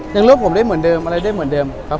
ยังเลือกผมได้เหมือนเดิมอะไรได้เหมือนเดิมครับ